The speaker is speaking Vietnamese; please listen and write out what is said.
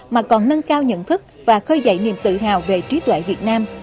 mà còn nâng cao nhận thức và khơi dậy niềm tự hào về trí tuệ việt nam